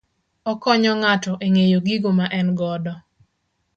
Okonyo ng'ato e ng'eyo gigo ma en godo